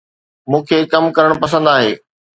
مون کي ڪم ڪرڻ پسند آهي